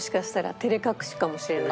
照れ隠しかもしれない。